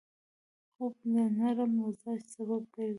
خوب د نرم مزاج سبب کېږي